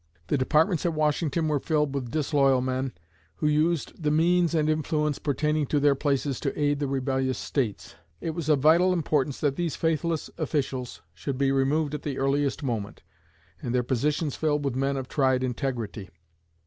The departments at Washington were filled with disloyal men, who used the means and influence pertaining to their places to aid the rebellious States. It was of vital importance that these faithless officials should be removed at the earliest moment, and their positions filled with men of tried integrity.